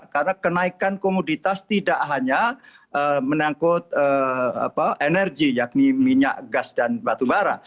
karena kenaikan komoditas tidak hanya menangkut energi yakni minyak gas dan batu bara